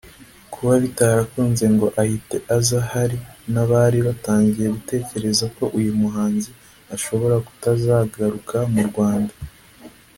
Kuba bitarakunze ngo ahite aza hari n'abari batangiye gutekereza ko uyu muhanzi ashobora kutazagaruka mu Rwanda